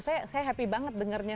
saya happy banget dengernya